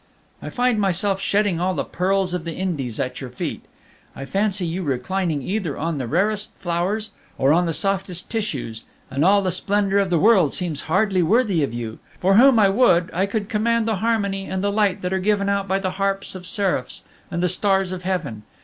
"I find myself shedding all the pearls of the Indies at your feet; I fancy you reclining either on the rarest flowers, or on the softest tissues, and all the splendor of the world seems hardly worthy of you, for whom I would I could command the harmony and the light that are given out by the harps of seraphs and the stars of heaven!